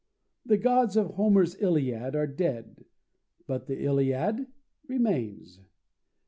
The Gods of Homer's Iliad are dead, but the Iliad remains.